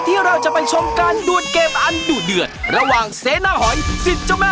ผมจะจัดแบตการณ์ทางครั้งนะฮะละวางเจ้านี่กับพี่หอยนะครับ